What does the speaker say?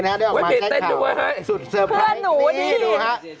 มาแจ้งข่าวสุดเซอร์ไพรส์นี่ดูฮะสุดเซอร์ไพรส์นี่ดูฮะ